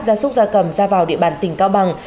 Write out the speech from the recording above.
gia súc gia cầm ra vào địa bàn tỉnh cao bằng